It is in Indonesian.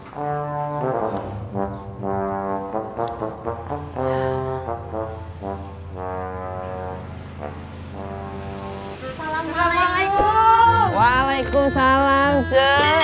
keren aja makasih ya anak